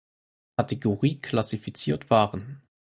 Kategorie klassifiziert waren.